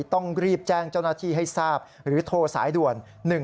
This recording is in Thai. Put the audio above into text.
ต้องรีบแจ้งเจ้าหน้าที่ให้ทราบหรือโทรสายด่วน๑๒